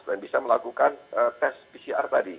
dan bisa melakukan tes pcr tadi